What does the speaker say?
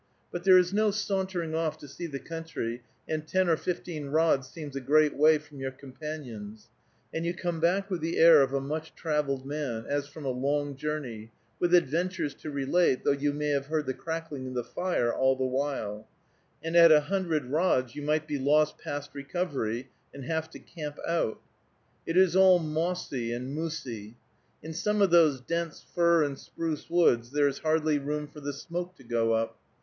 But there is no sauntering off to see the country, and ten or fifteen rods seems a great way from your companions, and you come back with the air of a much traveled man, as from a long journey, with adventures to relate, though you may have heard the crackling of the fire all the while, and at a hundred rods you might be lost past recovery, and have to camp out. It is all mossy and moosey. In some of those dense fir and spruce woods there is hardly room for the smoke to go up.